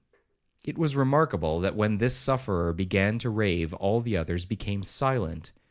It was remarkable, that when this sufferer began to rave, all the others became silent.